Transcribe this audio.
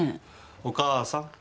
お母さん。